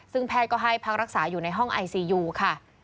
ซึ่งแพทย์ก็ให้พักรักษาอยู่ในห้องไอซียูค่ะ